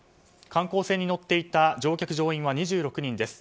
観光船に乗っていた乗客・乗員は２６人です。